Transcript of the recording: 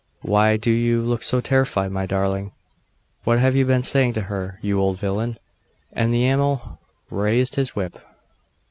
'Why do you look so terrified, my darling? What have you been saying to her, you old villain?' and the Amal raised his whip.